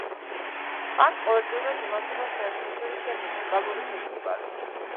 აქ ყოველწლიურად იმართება, საერთაშორისო მუსიკალური ფესტივალი.